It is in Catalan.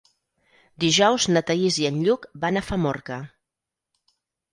Dijous na Thaís i en Lluc van a Famorca.